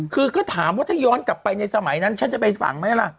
คือก็ถามว่าถ้าย้อนกลับไปในสมัยนั้นฉันจะไปฝังไหมล่ะ